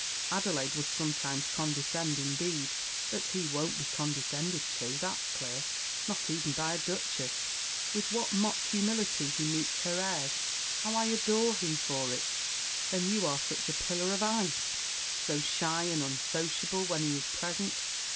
Adelaide would sometimes condescend indeed; but he won't be condescended to, that's clear, not even by a Duchess. With what mock humility he meets her airs! how I adore him for it! Then you are such a pillar of ice! so shy and unsociable when he is present!